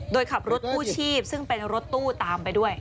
โดยขับรถกู้ชีพซึ่งเป็นรถตู้ตามไปด้วย